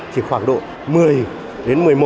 chỉ khoảng độ một mươi đến một mươi một